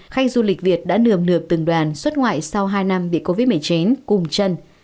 khách du lịch việt đã nườm nượp từng đoàn xuất ngoại sau hai năm bị covid một mươi chín cùng chân